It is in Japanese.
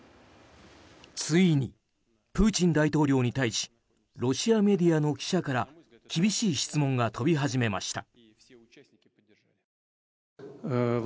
ついにプーチン大統領に対しロシアメディアの記者から厳しい質問が飛び始めました。